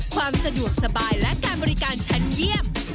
ความสะดวกสบายและการบริการชั้นเยี่ยม